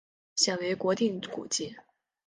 现为国定古迹。